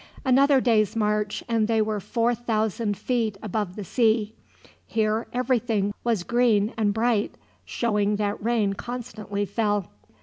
Another day's march, and they were four thousand feet above the sea. Here everything was green and bright, showing that rain constantly fell.